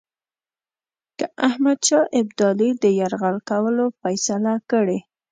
که احمدشاه ابدالي د یرغل کولو فیصله کړې.